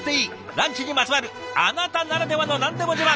ランチにまつわるあなたならではの何でも自慢